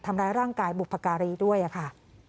ทำร้ายร่างกายบุพการีด้วยค่ะ